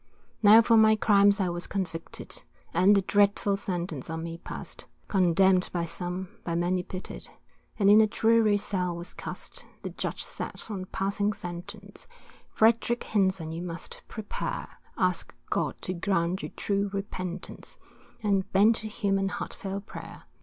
Now for my crimes I was convicted, And the dreadful sentence on me pass'd, Condemn'd by some, by many pity'd, And in a dreary cell was cast; The Judge said on passing sentence, Frederick Hinson you must prepare, Ask God to grant you true repentance, And bend to him in heartfelt prayer.